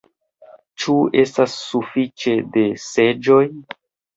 Ĉu estas suﬁĉe de seĝoj?